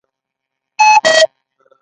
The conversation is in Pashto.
په دې هنر کې د بودا مجسمې جوړې شوې